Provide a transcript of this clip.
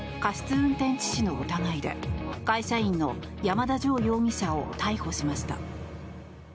運転致死の疑いで会社員の山田穣容疑者を逮捕しました。